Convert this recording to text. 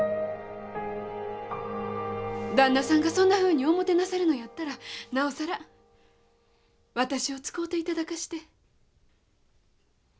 旦那さんがそんなふうに思うてなさるのやったらなおさら私を使うて頂かして。